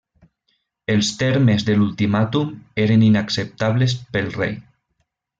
Els termes de l'ultimàtum eren inacceptables pel rei.